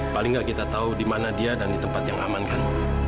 paling nggak kita tahu di mana dia dan di tempat yang aman kan